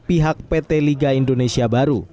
pihak pt liga indonesia baru